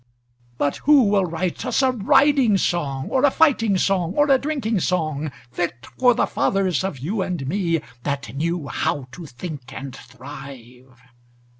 But who will write us a riding song Or a fighting song or a drinking song, Fit for the fathers of you and me, That knew how to think and thrive?